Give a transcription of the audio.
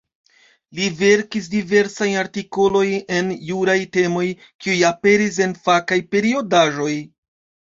Li verkis diversajn artikolojn en juraj temoj, kiuj aperis en fakaj periodaĵoj.